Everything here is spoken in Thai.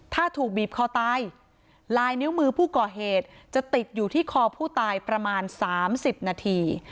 ถ้าถูกบีบคอตายลายนิ้วมือผู้ก่อเหตุจะติดอยู่ที่คอผู้ตายประมาณ๓๐นาที